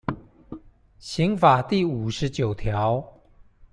刑法第五十九條